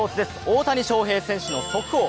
大谷翔平選手の速報